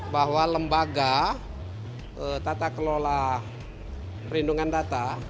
bahwa lembaga tata kelola perlindungan data